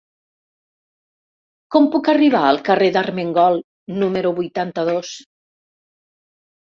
Com puc arribar al carrer d'Armengol número vuitanta-dos?